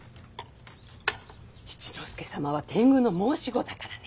七之助様は天狗の申し子だからね。